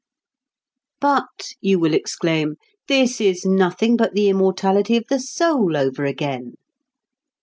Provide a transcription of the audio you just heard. "But," you will exclaim, "this is nothing but the immortality of the soul over again!"